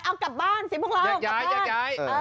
เอาแต่กลับบ้านสิพวกเรา